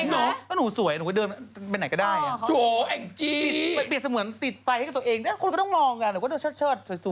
ก็เป็นคุณไม่น่าจะมีผัวจ้ะ